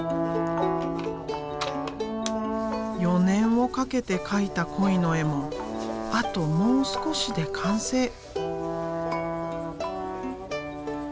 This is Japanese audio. ４年をかけて描いた鯉の絵もあともう少しで完成。